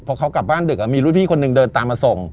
พอเขากลับบ้านดึกมีรุ่นพี่คนหนึ่งเดินตามมาส่ง